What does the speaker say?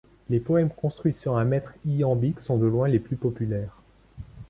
Les poèmes construits sur un mètre ïambique sont de loin les plus populaires.